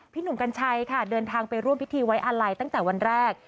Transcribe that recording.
หนุ่มกัญชัยค่ะเดินทางไปร่วมพิธีไว้อาลัยตั้งแต่วันแรก